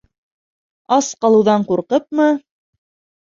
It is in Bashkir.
Ас ҡалыуҙан ҡурҡыпмы: